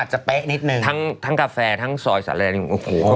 อาจจะเป๊ะนิดหนึ่งทั้งกาแฟทั้งซอยสัรแลดแดง